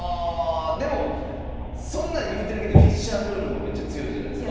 でもそんなん言うてるけどフィッシャールールもめちゃ強いじゃないすか。